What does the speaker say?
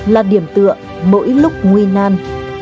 là điểm tựa mỗi lúc nguy nan